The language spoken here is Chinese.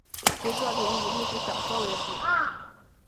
其作品以历史小说为主。